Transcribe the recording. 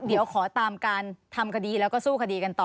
เดี๋ยวขอตามการทำคดีแล้วก็สู้คดีกันต่อ